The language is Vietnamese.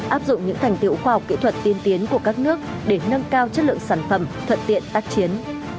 áp dụng những thành tiệu khoa học kỹ thuật tiên tiến của các nước để nâng cao chất lượng sản phẩm thuận tiện tác chiến